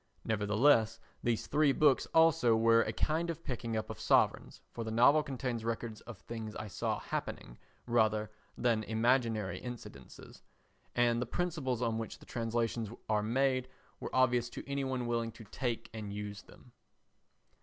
Nevertheless these three books also were a kind of picking up of sovereigns, for the novel contains records of things I saw happening rather than imaginary incidents, and the principles on which the translations are made were obvious to any one willing to take and use them.